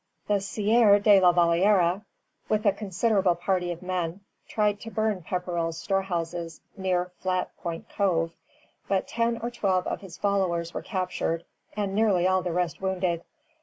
The Sieur de la Valliere, with a considerable party of men, tried to burn Pepperrell's storehouses, near Flat Point Cove; but ten or twelve of his followers were captured, and nearly all the rest wounded.